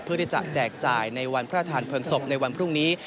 เพื่อที่จะแจกจ่ายในวันพระธานเพลิงศพในวันพรุ่งนี้